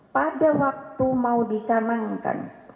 pada waktu mau disamankan